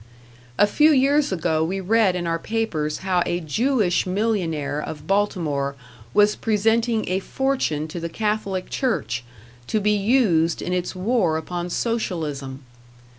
A few years ago we read in our papers how a Jewish millionaire of Baltimore was presenting a fortune to the Catholic Church, to be used in its war upon Socialism.